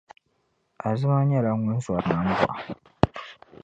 Azima nyɛla ŋun zɔri nambɔɣu.